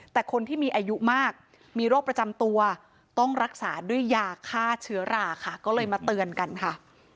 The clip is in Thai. แต่คนที่มีอายุมากมีโรคประจำตัวต้องรักษาด้วยยาฆ่าเชื้อราค่ะก็เลยมาเตือนกันค่ะ